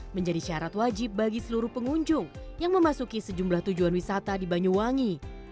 menjadi syarat wajib bagi seluruh pengunjung yang memasuki sejumlah tujuan wisata di banyuwangi